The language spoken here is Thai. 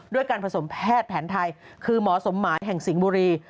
ด้วยการผสมแพทย์แผนไทยคือหมอสมหมายแห่งสิงห์บุรี